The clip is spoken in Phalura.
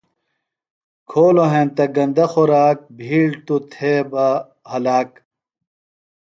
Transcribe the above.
کھولوۡ ہینتہ گندہ خوراک، بِھیڑ توۡ تھےۡ بہ ہلا